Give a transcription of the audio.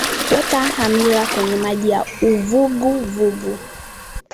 weka hamira kwenye maji ya uvuguvugu